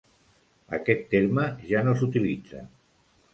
Aquest terme ja no s'utilitza.